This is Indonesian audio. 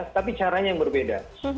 tapi caranya yang berbeda